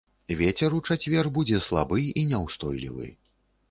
Вецер у чацвер будзе слабы і няўстойлівы.